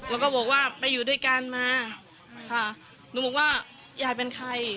แล้วก็บอกว่าไปอยู่ด้วยกันมาค่ะหนูบอกว่ายายเป็นใคร